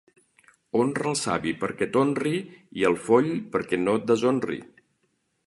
Honra el savi perquè t'honri i el foll perquè no et deshonri.